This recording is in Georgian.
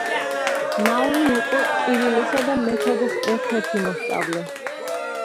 ნაუმი იყო კირილესა და მეთოდეს ერთ-ერთი მოსწავლე.